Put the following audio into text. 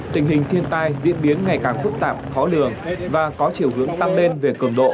tình hình thiên tai diễn biến ngày càng phức tạp khó lường và có chiều hướng tăm bên về cầm độ